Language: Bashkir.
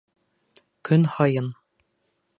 Көн һайын.